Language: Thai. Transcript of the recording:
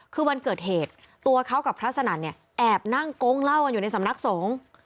คือวันเกิดเหตุตัวเขากับพระสนั่นเนี่ยแอบนั่งโก๊งเล่ากันอยู่ในสำนักสงฆ์